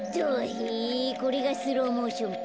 へえこれがスローモーションか。